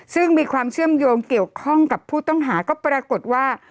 ซึ่งมีความเชื่อมโยงเกี่ยวข้องกับผู้ต้องหาก็ปรากฏว่า